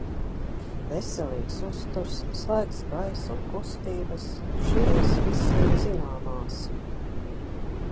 Veselīgs uzturs, svaigs gaiss un kustības – šīs visiem zināmās.